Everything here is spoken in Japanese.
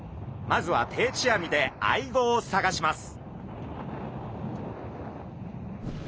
まずは定置網でアイゴを探します。